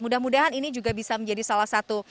mudah mudahan ini juga bisa menjadi salah satu